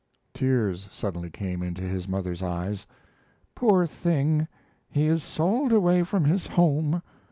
Tears suddenly came into his mother's eyes. "Poor thing! He is sold away from his home.